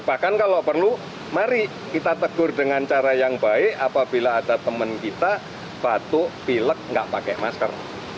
bahkan kalau perlu mari kita tegur dengan cara yang baik apabila ada teman kita batuk pilek nggak pakai masker